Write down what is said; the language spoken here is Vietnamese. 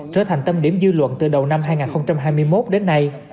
trở thành tâm điểm dư luận từ đầu năm hai nghìn hai mươi một đến nay